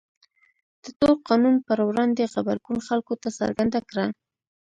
د تور قانون پر وړاندې غبرګون خلکو ته څرګنده کړه.